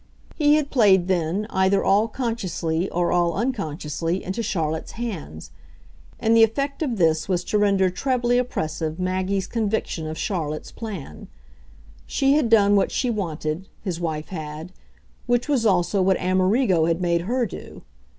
He had played then, either all consciously or all unconsciously, into Charlotte's hands; and the effect of this was to render trebly oppressive Maggie's conviction of Charlotte's plan. She had done what she wanted, his wife had which was also what Amerigo had made her do.